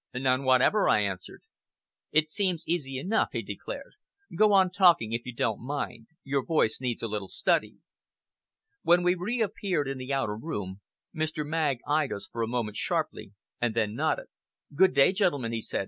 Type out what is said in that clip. "None whatever," I answered. "It seems easy enough," he declared. "Go on talking, if you don't mind. Your voice needs a little study." When we reappeared in the outer room, Mr. Magg eyed us for a moment sharply, and then nodded. "Good day, gentlemen!" he said.